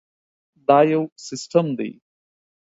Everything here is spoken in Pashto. دا یو سیسټم دی.